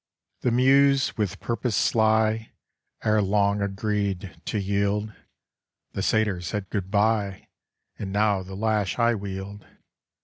The Muse, with purpose sly, Ere long agreed to yield The satyr said good by, And now the lash I wield!